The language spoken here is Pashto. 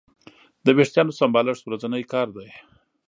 د وېښتیانو سمبالښت ورځنی کار دی.